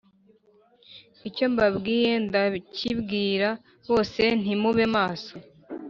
Icyo mbabwiye ndakibwira bose nti Mube maso